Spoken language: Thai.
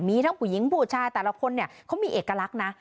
มีทั้งผู้หญิงผู้ชายแต่ละคนเนี่ยเขามีเอกลักษณ์นะ